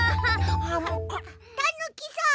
たぬきさん！